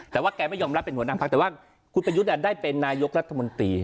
แต่ว่าแกไม่ยอมรับเป็นหัวหน้าพักแต่ว่าคุณประยุทธ์ได้เป็นนายกรัฐมนตรี